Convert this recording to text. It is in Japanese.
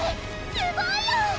すごいよ！